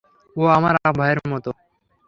ও আমার আপন ভাইয়ের মতো।